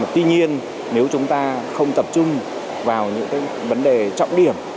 tuy nhiên nếu chúng ta không tập trung vào những vấn đề trọng điểm